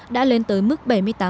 đã lên tới mức bảy mươi tám ba